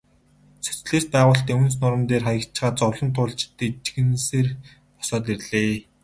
Социалист байгуулалтын үнс нурман дээр хаягдчихаад зовлон туулж дэнжгэнэсээр босоод ирлээ.